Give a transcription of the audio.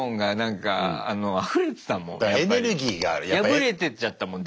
破れてっちゃったもん